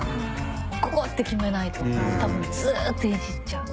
ここって決めないと多分ずっといじっちゃう。